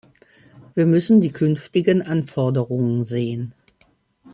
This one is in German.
Wir müssen die künftigen Anforderungen sehen.